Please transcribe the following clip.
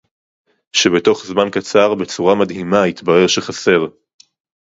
שבתוך זמן קצר בצורה מדהימה יתברר שחסר